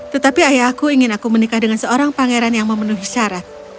tetapi ayahku ingin aku menikah dengan seorang pangeran yang memenuhi syarat